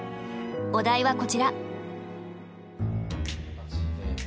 お題はこちら。